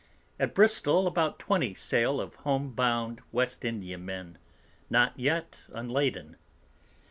At Bristol about 20 Sail of home bound West India Men, not yet unladen.